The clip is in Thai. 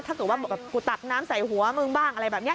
ถ้าเกิดว่ากูตักน้ำใส่หัวมึงบ้างอะไรแบบนี้